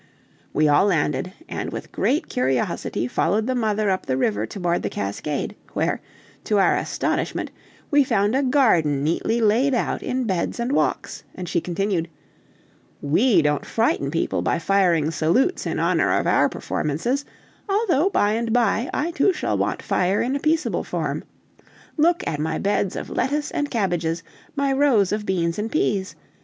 We all landed, and with great curiosity followed the mother up the river toward the cascade; where, to our astonishment, we found a garden neatly laid out in beds and walks; and she continued, "We don't frighten people by firing salutes in honor of our performances; although, by and by, I too shall want fire in a peaceable form. Look at my beds of lettuce and cabbages, my rows of beans and peas!